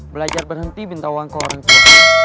belajar berhenti bintang uang ke orang tua